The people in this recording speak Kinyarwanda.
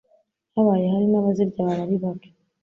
habaye hari n'abazirya baba ari bake